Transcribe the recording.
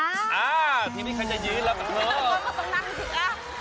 อ้าที่นี่ใครจะยืนล่ะแบบนั้นเนอะ